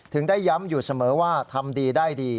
ได้ย้ำอยู่เสมอว่าทำดีได้ดี